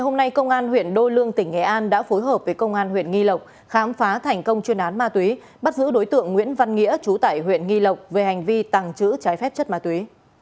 hôm nay công an huyện đô lương tỉnh nghệ an đã phối hợp với công an huyện nghi lộc khám phá thành công chuyên án ma túy bắt giữ đối tượng nguyễn văn nghĩa chú tải huyện nghi lộc về hành vi tàng trữ trái phép chất ma túy